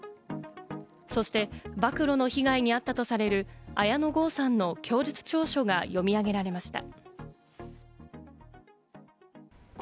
そして曝露の被害に遭ったとされる、綾野剛さんの供述調書が読み上げられました。